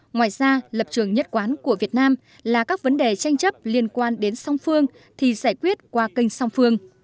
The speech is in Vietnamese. ngoài ra lập trường nhất quán của việt nam là các vấn đề tranh chấp liên quan đến song phương thì giải quyết qua kênh song phương